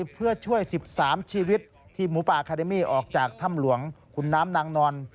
เพื่อช่วย๑๓ชีวิตที่หมูป่าคาเดมี่ออกจากถ้ำหลวงขุนน้ำนางนอน